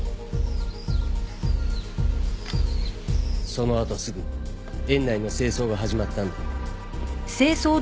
そのあとすぐ園内の清掃が始まったんで。